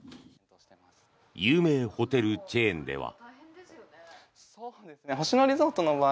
有名ホテルチェーンでは。